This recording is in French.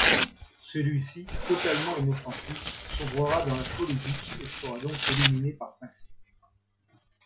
Celui-ci, totalement inoffensif, sombrera dans la folie douce et sera donc éliminé par principe.